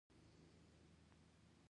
ځکه ژوند ستا د خوبونو په څېر دی.